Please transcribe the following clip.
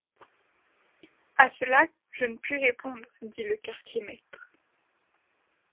À cela, je ne puis répondre, dit le quartier-maître.